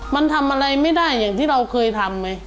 มันทำอะไรไม่ได้อย่างที่เราเคยทำไหม